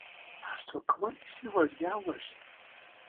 هرڅوک کولی شي وړیا ورشي.